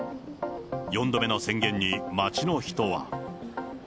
４度目の宣言に、街の人は。